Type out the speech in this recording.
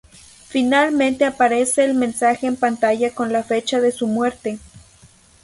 Finalmente aparece el mensaje en pantalla con la fecha de su muerte.